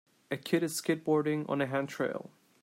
A kid is skateboarding on a handrail.